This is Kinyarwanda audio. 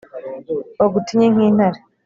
bagutinye nk'intare